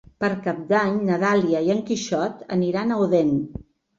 Per Cap d'Any na Dàlia i en Quixot aniran a Odèn.